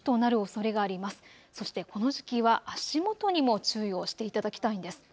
そしてこの時期は足元にも注意をしていただきたいんです。